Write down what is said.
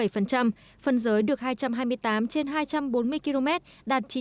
phân giới được hai trăm hai mươi tám trên hai trăm bốn mươi km đạt chín mươi